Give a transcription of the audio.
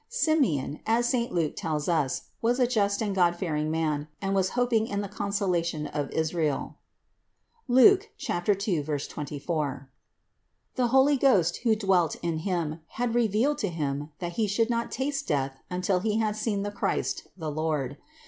593. Simeon, as saint Luke tells us, was a just and god fearing man and was hoping in the consolation of Israel (Luke 2, 24) ; the Holy Ghost, who dwelt in him, had revealed to him, that he should not taste death until he had seen the Christ, the Lord.